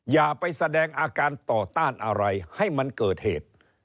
อย่าไปแสดงอาการต่อต้านอะไรให้มันเกิดเหตุ